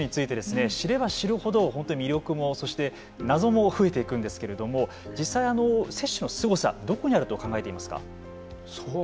山口さん、この雪舟について知れば知るほど魅力もそして謎もふえていくんですけれども実際雪舟のすごさはどこにあると考えていますか。